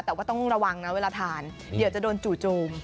แต่ว่าต้องระวังนะเวลาทานเดี๋ยวจะโดนจู่โจม